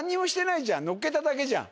のっけただけじゃん。